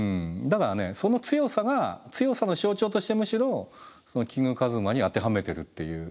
だからねその強さが強さの象徴としてむしろそのキングカズマに当てはめてるっていうことなんですね。